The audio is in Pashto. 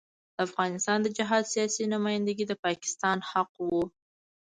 د افغانستان د جهاد سیاسي نمايندګي د پاکستان حق وو.